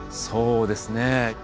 そうですね。